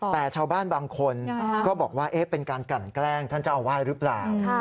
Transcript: แต่ชาวบ้านบางคนก็บอกว่าเป็นการกลั่นแกล้งท่านเจ้าอาวาสหรือเปล่า